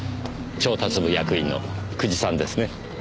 調達部役員の久慈さんですね。